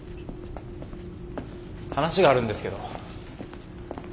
話があるんですけど。